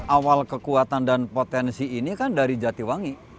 awal kekuatan dan potensi ini kan dari jatiwangi